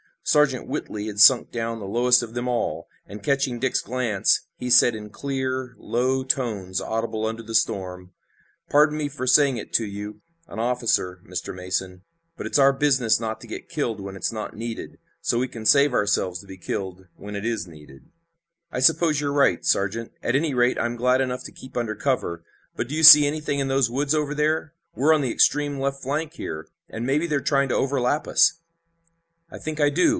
Sergeant Whitley had sunk down the lowest of them all, and, catching Dick's glance, he said in clear, low tones audible under the storm: "Pardon me for saying it to you, an officer, Mr. Mason, but it's our business not to get killed when it's not needed, so we can save ourselves to be killed when it is needed." "I suppose you're right, Sergeant. At any rate I'm glad enough to keep under cover, but do you see anything in those woods over there? We're on the extreme left flank here, and maybe they're trying to overlap us." "I think I do.